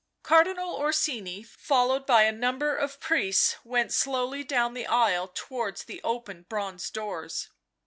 Cardinal Orsini, followed by a number of priests, went slowly down the aisle towards the open bronze doors.